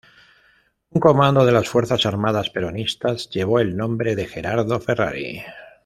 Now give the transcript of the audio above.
Un comando de las Fuerzas Armadas Peronistas llevó el nombre de Gerardo Ferrari.